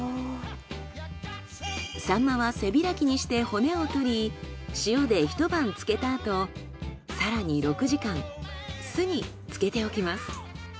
サンマは背開きにして骨を取り塩で一晩漬けた後更に６時間酢に漬けておきます。